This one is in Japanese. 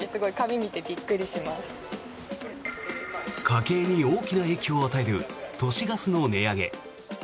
家計に大きな影響を与える都市ガスの値上げ。